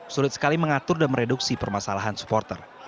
sulit sekali mengatur dan mereduksi permasalahan supporter